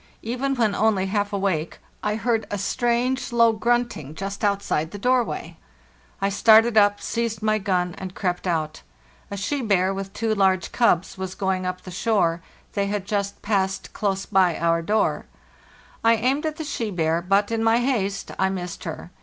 Even when only half awake, I heard a strange, low grunting just outside the doorway. I started up, seized my gun, and crept out. A she bear with two large cubs was going up the shore; they had just passed close by our door. I aimed at the she bear, but, in my haste, I missed her.